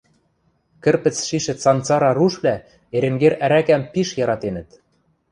Кӹрпӹц шишӹ Санцара рушвлӓ Эренгер ӓрӓкӓм пиш яратенӹт.